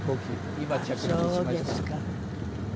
今着陸しました。